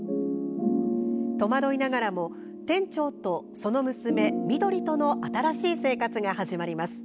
戸惑いながらも店長とその娘・翠との新しい生活が始まります。